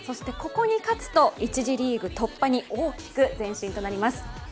ここに勝つと１次リーグ突破に大きく前進となります。